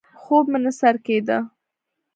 خوب مې نه سر کېده.